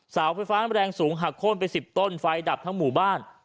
เสาไฟฟ้าแรงสูงหักโค้นไป๑๐ต้นไฟดับทั้งหมู่บ้าน